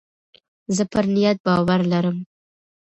زه پر نیت باور لرم.